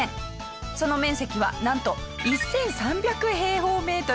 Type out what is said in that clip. その面積はなんと１３００平方メートル。